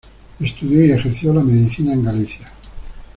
Estudió y ejerció la medicina en Galicia.